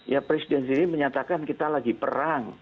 ya presiden sendiri menyatakan kita lagi perang